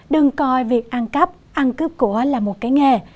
đừng coi việc ăn cắp ăn cướp của là một cái nghề